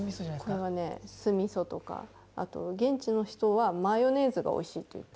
これはね酢みそとかあと現地の人はマヨネーズがおいしいって言って。